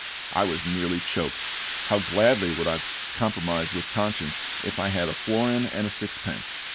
I was nearly choked. How gladly would I have compromised with conscience if I had had a florin and a sixpence!